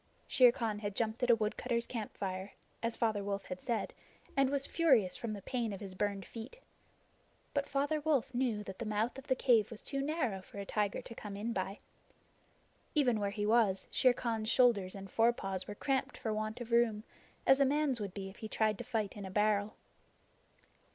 Shere Khan had jumped at a woodcutter's campfire, as Father Wolf had said, and was furious from the pain of his burned feet. But Father Wolf knew that the mouth of the cave was too narrow for a tiger to come in by. Even where he was, Shere Khan's shoulders and forepaws were cramped for want of room, as a man's would be if he tried to fight in a barrel.